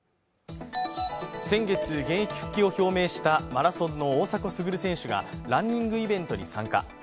先月、現役復帰を表明したマラソンの大迫傑選手がランニングイベントに参加。